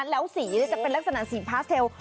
แล้วสีจะเป็นลักษณะสีพาสเทล